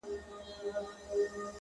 بيا خپه يم مرور دي اموخته کړم،